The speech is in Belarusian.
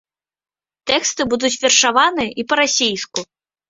Тэксты будуць вершаваныя і па-расейску.